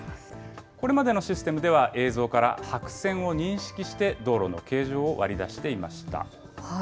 これまでのシステムでは、映像から白線を認識して道路の形状を割り出していました。